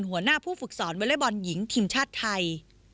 หัวหน้าผู้ฝึกสอนวอเล็กบอลหญิงทีมชาติไทย